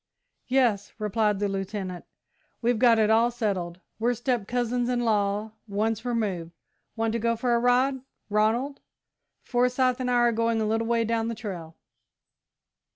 "Yes," replied the Lieutenant, "we've got it all settled. We're step cousins in law once removed. Want to go for a ride, Ronald? Forsyth and I are going a little way down the trail."